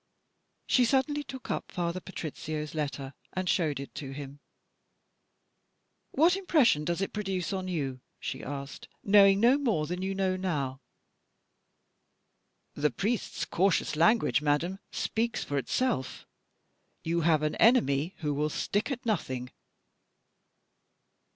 She suddenly took up Father Patrizio's letter, and showed it to him. "What impression does it produce on you," she asked, "knowing no more than you know now?" "The priest's cautious language, madam, speaks for itself. You have an enemy who will stick at nothing."